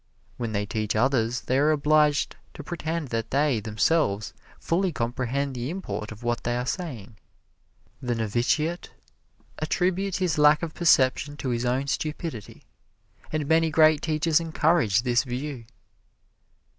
When they teach others they are obliged to pretend that they, themselves, fully comprehend the import of what they are saying. The novitiate attributes his lack of perception to his own stupidity, and many great teachers encourage this view.